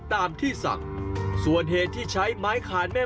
หันล้วยหันล้วยหันล้วยหันล้วยหันล้วย